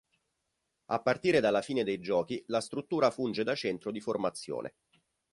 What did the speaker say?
A partire dalla fine dei giochi la struttura funge da centro di formazione.